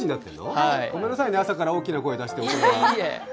ごめんなさいね、朝から大きな声を出して。